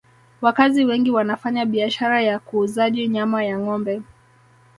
wakazi wengi wanafanya biashara ya kuuzaji nyama ya ngombe